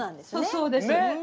そうです！